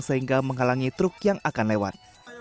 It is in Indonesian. sehingga menghalangi truk yang akan lewat